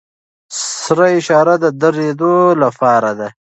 سره اشاره د دریدو لپاره ده.